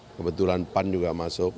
kebetulan pan juga masuk